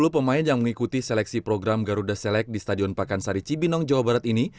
satu ratus tiga puluh pemain yang mengikuti seleksi program garuda select di stadion pakansari cibinong jawa barat ini